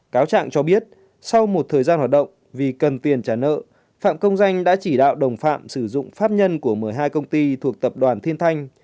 cáo trạng cho biết sau một thời gian hoạt động vì cần tiền trả nợ phạm công danh đã chỉ đạo đồng phạm sử dụng pháp nhân của một mươi hai công ty thuộc tập đoàn thiên thanh